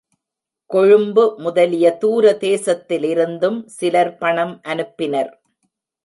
கொழும்பு முதலிய தூர தேசத்திலிருந்தும் சிலர் பணம் அனுப்பினர்.